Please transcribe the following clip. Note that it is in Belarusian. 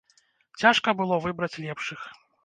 Цяжка было выбраць лепшых.